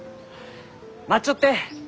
待っちょって！